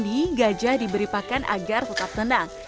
biasanya gajah diberi paken agar tetap menenang